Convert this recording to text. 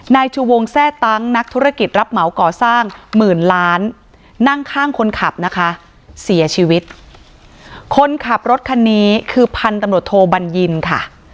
นายชูวงแทร่ตั้งนักธุรกิจรับเหมาก่อสร้างหมื่นล้านนั่งข้างคนขับนะคะเสียชีวิตคนขับรถคันนี้คือพันธุ์ตำรวจโทบัญญินค่ะ